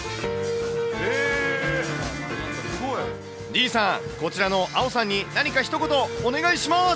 ディーンさん、こちらのアオさんに何かひと言お願いします。